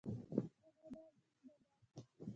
کاناډا زنده باد.